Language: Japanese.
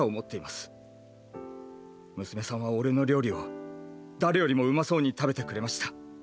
娘さんは俺の料理を誰よりもうまそうに食べてくれました。